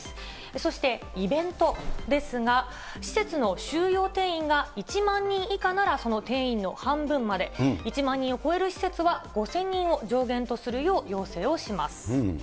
そしてイベントですが、施設の収容定員が、１万人以下ならその定員の半分まで、１万人を超える施設は５０００人を上限とするよう要請をします。